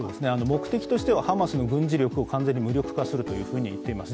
目的としてはハマスの軍事力を完全に無力化すると言っています。